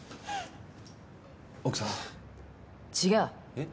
えっ？